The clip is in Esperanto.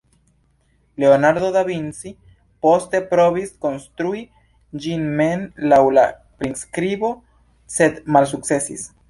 Leonardo da Vinci poste provis konstrui ĝin mem laŭ la priskribo, sed malsukcesis.